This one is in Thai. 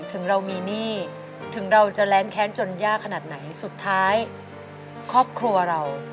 ถึงเรามีหนี้ถึงเราจะแร้งแค้นจนยากขนาดไหนสุดท้ายครอบครัวเรา